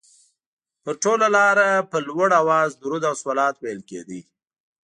پر ټوله لاره په لوړ اواز درود او صلوات ویل کېده.